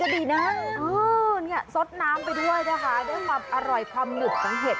นี่ก็ดีนะซดน้ำไปด้วยนะคะได้ความอร่อยความหลุดของเห็ด